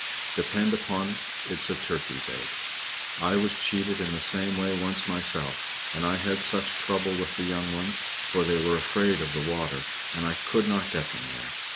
"Depend upon it, it is a turkey's egg. I was cheated in the same way once myself, and I had such trouble with the young ones; for they were afraid of the water, and I could not get them there.